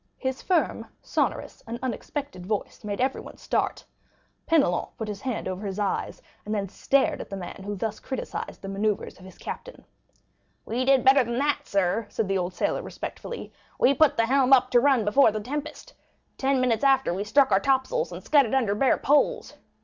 His firm, sonorous, and unexpected voice made everyone start. Penelon put his hand over his eyes, and then stared at the man who thus criticized the manœuvres of his captain. "We did better than that, sir," said the old sailor respectfully; "we put the helm up to run before the tempest; ten minutes after we struck our top sails and scudded under bare poles."